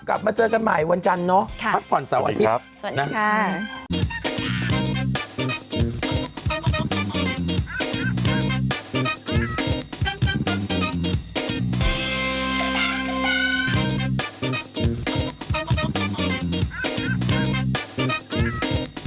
กลับมาเจอกันใหม่วันจันทร์เนอะพักผ่อนสวัสดีครับนั่นมิส